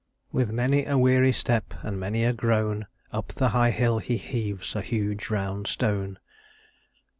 "With many a weary step, and many a groan, Up the high hill he heaves a huge round stone."